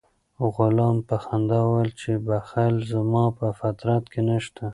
غلام په خندا وویل چې بخل زما په فطرت کې نشته.